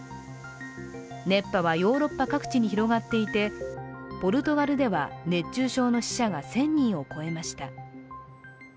熱波はヨーロッパ各地に広がっていてポルトガルでは、熱中症の死者が１０００人を超えました。